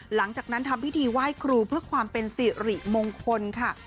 หลังจากนั้นทำพิธีไหว้ครูเพื่อความเป็นสิริมงคลค่ะ